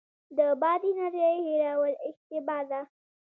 د باد انرژۍ هیرول اشتباه ده.